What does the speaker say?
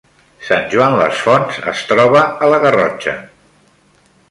Sant Joan les Fonts es troba a la Garrotxa